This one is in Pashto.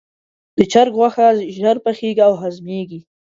د چرګ غوښه ژر پخیږي او هضمېږي.